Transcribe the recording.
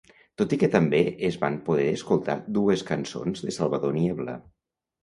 Tot i que també es van poder escoltar dues cançons de Salvador Niebla.